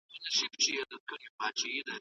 ایمي څو میاشتې رخصتي اخیستې ده.